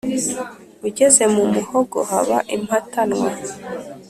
Ugeze mu muhogo haba impatanwa;